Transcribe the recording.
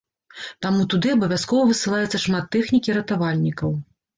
Таму туды абавязкова высылаецца шмат тэхнікі ратавальнікаў.